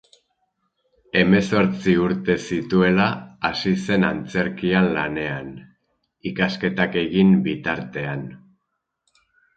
Hemezortzi urte zituela hasi zen antzerkian lanean, ikasketak egin bitartean.